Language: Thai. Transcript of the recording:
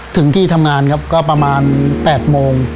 ถึงที่ทำงานครับก็ประมาณ๘โมง